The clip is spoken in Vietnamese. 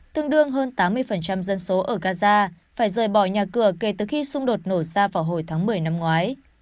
tương đương hơn tám mươi dân số ở gaza phải rời bỏ nhà cửa kể từ khi xung đột nổ ra vào hồi tháng một mươi năm ngoái